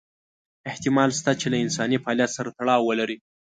احتمال شته چې له انساني فعالیت سره تړاو ولري.